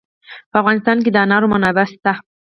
په افغانستان کې د انار منابع شته.